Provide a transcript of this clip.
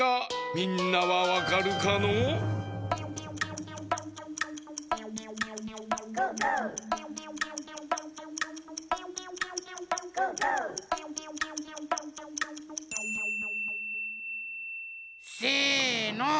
みんなはわかるかのう？せの！